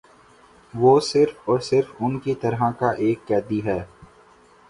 وہ صرف اور صرف ان کی طرح کا ایک قیدی ہے ا